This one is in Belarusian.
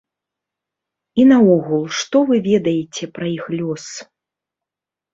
І наогул, што вы ведаеце пра іх лёс?